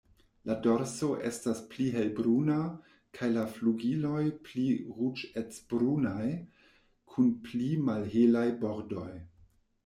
La dorso estas pli helbruna kaj la flugiloj pli ruĝecbrunaj kun pli malhelaj bordoj.